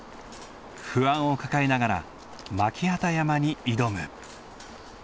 不安を抱えながら巻機山に挑む。